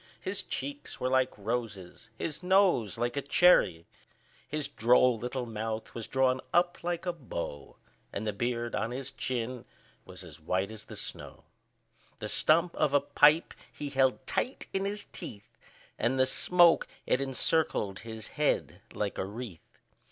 His cheeks were like roses, his nose like a cherry; His droll little mouth was drawn up like a bow, And the beard on his chin was as white as the snow; The stump of a pipe he held tight in his teeth, And the smoke, it encircled his head like a wreath.